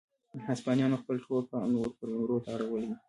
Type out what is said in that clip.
هسپانویانو خپل ټول پام نورو قلمرو ته اړولی و.